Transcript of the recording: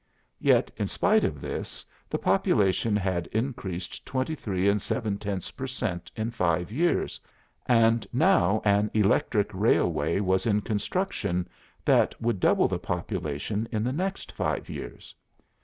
Yet in spite of this, the population had increased 23 and seven tenths per cent in five years, and now an electric railway was in construction that would double the population in the next five years.